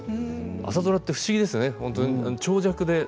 朝ドラって不思議ですよね長尺で。